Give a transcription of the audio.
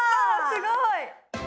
すごい！